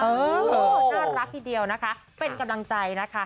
น่ารักทีเดียวนะคะเป็นกำลังใจนะคะ